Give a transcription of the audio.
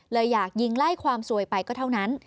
อยากยิงไล่ความสวยไปก็เท่านั้น